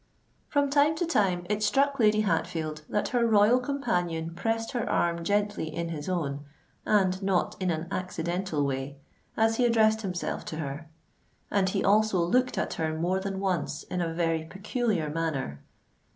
From time to time it struck Lady Hatfield that her royal companion pressed her arm gently in his own, and not in an accidental way, as he addressed himself to her; and he also looked at her more than once in a very peculiar manner.